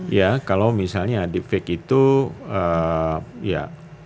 iya kalau misalnya deep fake itu ya